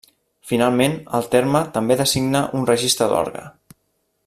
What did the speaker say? Finalment, el terme també designa un registre d'orgue.